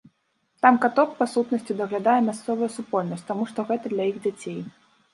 Там каток, па сутнасці, даглядае мясцовая супольнасць, таму што гэта для іх дзяцей.